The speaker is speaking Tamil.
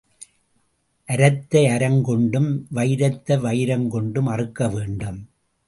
அரத்தை அரம் கொண்டும் வயிரத்தை வயிரம் கொண்டும் அறுக்க வேண்டும்.